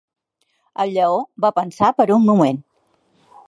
El lleó va pensar per un moment.